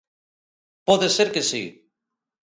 Pode ser que si.